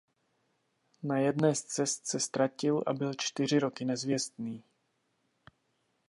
Na jedné z cest se ztratil a byl čtyři roky nezvěstný.